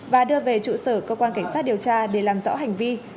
và đưa về trụ sở cơ quan cảnh sát điều tra để làm rõ hành vi